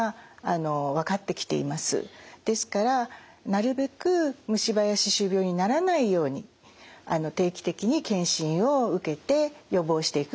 ですからなるべく虫歯や歯周病にならないように定期的に健診を受けて予防していくっていうことが大切だと思います。